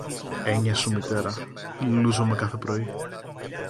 Έννοια σου, Μητέρα, λούζομαι κάθε πρωί.